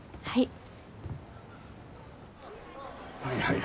はい。